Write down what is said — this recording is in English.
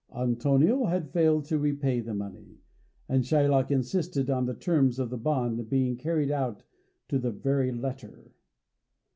Antonio had failed to repay the money, and Shylock insisted on the terms of the bond being carried out to the very letter.